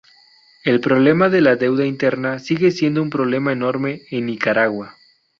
El problema de la deuda interna sigue siendo un problema enorme en Nicaragua.